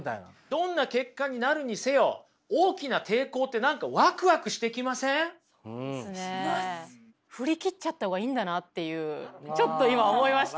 どんな結果になるにせよ振り切っちゃった方がいいんだなっていうちょっと今思いました。